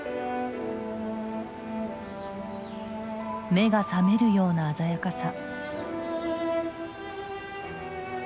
目が覚めるような鮮やかさ。